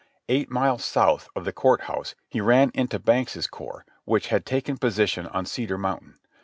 Eight miles south of the Court House he ran into Banks's corps, which had taken position on Cedar Mountain.